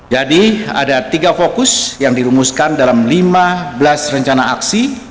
jadi ada tiga fokus yang dirumuskan dalam lima belas rencana akar